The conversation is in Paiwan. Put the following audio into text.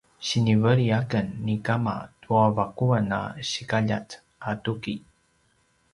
siniveli aken ni kama tua vaquan a sikaljat a tuki